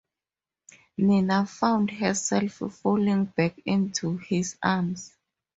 Nina found herself falling back into his arms.